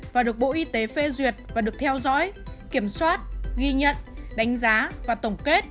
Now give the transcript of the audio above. và được bộ y tế phê duyệt và được theo dõi kiểm soát ghi nhận đánh giá và tổng kết